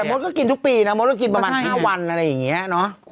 แต่มดก็กินทุกปีน่ะมดกินประมาณห้าวันอะไรอย่างเงี้ยเนอะ